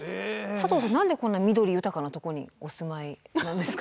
佐藤さん何でこんな緑豊かなとこにお住まいなんですか？